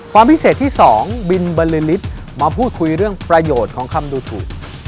ความพิเศษที่๒บินบรรลือฤทธิ์มาพูดคุยเรื่องประโยชน์ของคำดูถูก